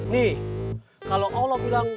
nih kalau allah bilang